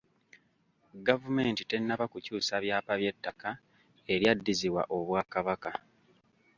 Gavumenti tennaba kukyusa byapa by’ettaka eryaddizibwa Obwakabaka.